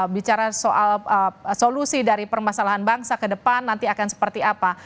bicara soal solusi dari permasalahan bangsa ke depan nanti akan seperti apa